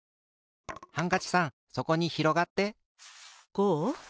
こう？